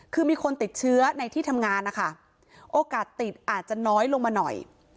คือมีคนติดเชื้อในที่ทำงานนะคะโอกาสติดอาจจะน้อยลงมาหน่อย